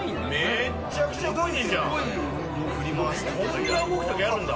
めちゃくちゃ動いてんじゃんこんな動くときあるんだ。